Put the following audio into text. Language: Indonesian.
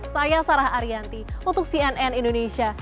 saya sarah ariyanti untuk cnn indonesia